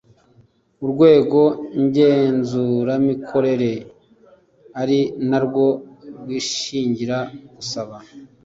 urwego ngenzuramikorere ari na rwo rwishingira gusaba